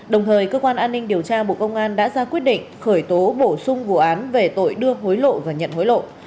đồng thời cơ quan an ninh điều tra bộ công an đã ra quyết định khởi tố bổ sung vụ án về tội đưa hối lộ và nhận hối lộ